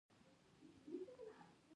مونږ ډوډۍ خوړلې ده.